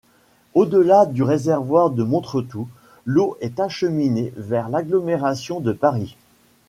Au-delà du réservoir de Montretout, l'eau est acheminée vers l'agglomération de Paris.